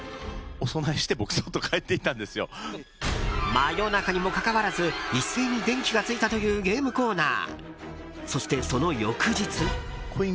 真夜中にもかかわらず一斉に電気がついたというゲームコーナー。